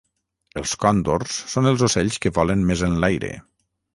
Els còndors són els ocells que volen més enlaire.